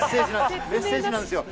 メッセージなんですよ。